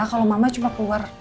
kalau mama cuma keluar